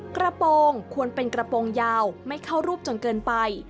กระโปรงควรเป็นกระโปรงยาวไม่เข้ารูปจนเกินไป